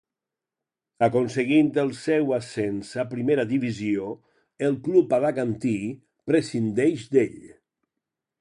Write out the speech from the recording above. Aconseguint el seu ascens a Primera Divisió, el club alacantí prescindeix d'ell.